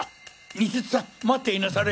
西津さん待っていなされ！